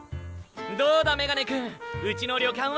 どうだメガネくんうちの旅館は。